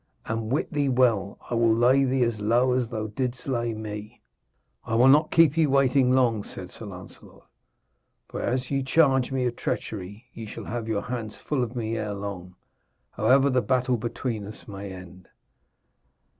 And wit thee well I will lay thee as low as thou didst lay me.' 'I will not keep ye waiting long,' said Sir Lancelot, 'for as ye charge me of treachery ye shall have your hands full of me erelong, however the battle between us may end.'